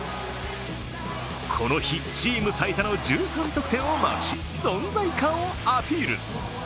この日、チーム最多の１３得点をマークし、存在感をアピール。